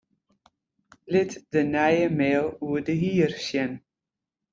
Lit de nije mail oer de hier sjen.